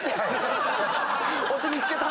オチ見つけた？